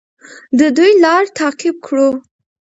د دوی لار تعقیب کړو.